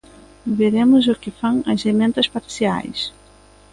Veremos o que fan nas emendas parciais.